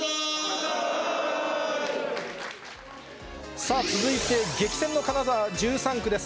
さあ、続いて激戦の神奈川１３区です。